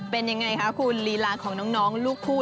เป็นยังไงคะคุณลีลาของน้องลูกคู่